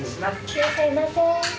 いらっしゃいませ。